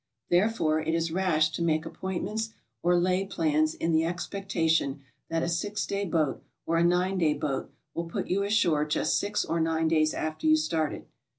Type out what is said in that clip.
Therefore it is rash to make appoint ments or lay plans in the expectation that ''a six day boat" or "a nine day boat" will put you ashore just six or nine days after you started.